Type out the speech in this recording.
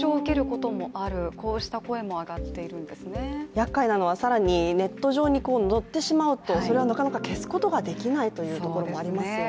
やっかいなのは更にネット上に載ってしますとそれをなかなか消すことができないということもありますよね。